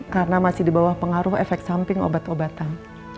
karena masih di bawah pengaruh efek samping obat obatan